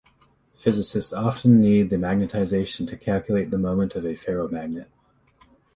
Physicists often need the magnetization to calculate the moment of a ferromagnet.